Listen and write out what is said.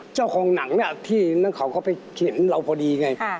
เจ้าของหนังนี่ที่เขาเข้าไปเห็นเราพอดีไง